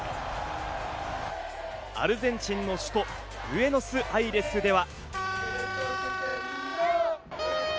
アルゼンチンの首都ブエノスアイレスでは。